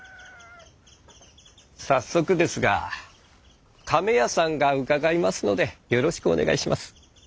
早速ですが亀屋さんが伺いますのでよろしくお願いします。